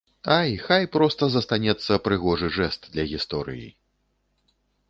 Ай, хай проста застанецца прыгожы жэст для гісторыі.